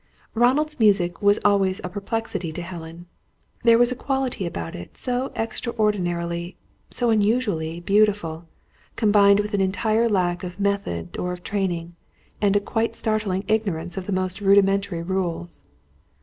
Ronald's music was always a perplexity to Helen. There was a quality about it so extraordinarily, so unusually, beautiful; combined with an entire lack of method or of training, and a quite startling ignorance of the most rudimentary rules.